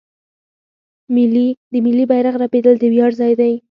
د ملي بیرغ رپیدل د ویاړ ځای دی.